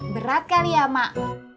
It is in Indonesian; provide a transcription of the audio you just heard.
berat kali ya mak